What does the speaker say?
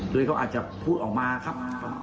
โดยเขาอาจจะพูดออกมาครับ